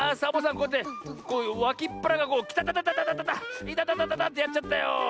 こうやってわきっぱらがこうきたたたたいたたたたってやっちゃったよ。